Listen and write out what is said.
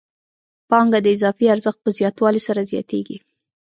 پانګه د اضافي ارزښت په زیاتوالي سره زیاتېږي